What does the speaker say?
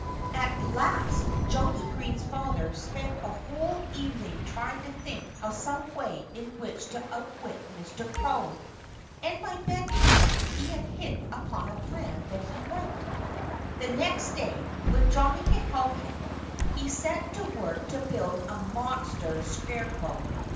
At last Johnnie Green's father spent a whole evening trying to think of some way in which to outwit Mr. Crow. And by bedtime he had hit upon a plan that he liked. The next day, with Johnnie to help him, he set to work to build a monster scarecrow.